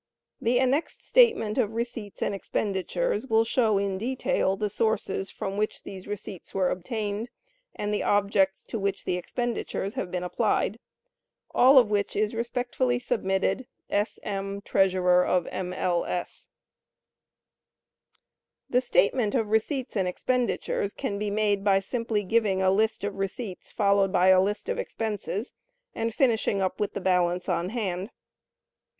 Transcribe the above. The annexed statement of receipts and expenditures will show in detail the sources from which the receipts were obtained, and the objects to which the expenditures have been applied. All of which is respectfully submitted. S— M—, Treasurer M. L. S. The "Statement of receipts and expenditures" can be made, by simply giving a list of receipts, followed by a list of expenses, and finishing up with the balance on hand.